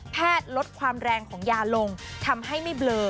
ลดความแรงของยาลงทำให้ไม่เบลอ